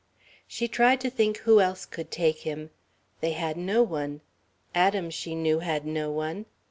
She tried to think who else could take him. They had no one. Adam, she knew, had no one.